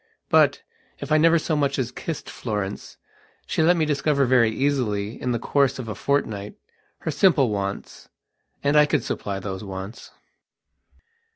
But, if I never so much as kissed Florence, she let me discover very easily, in the course of a fortnight, her simple wants. And I could supply those wants....